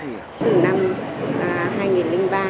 từ năm hai nghìn ba trở lại đây